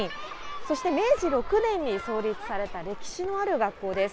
そして明治６年に創立された歴史のある学校です。